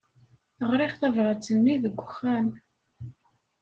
Ɣriɣ tabṛat-nni deg wexxam.